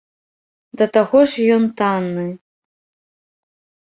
Да таго ж ён танны.